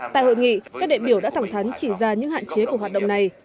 tại hội nghị các đệ biểu đã thẳng thắn chỉ ra những hạn chế của hoạt động này